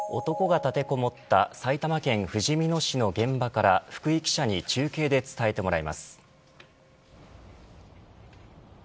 男が立てこもった埼玉県ふじみ野市の現場から福井記者に中継で伝えてもらいます。